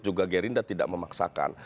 juga gerindra tidak memaksakan